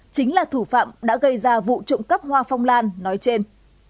chính là thủ phạm đã gây ra vụ trộm cắp hoa phong lan nói trên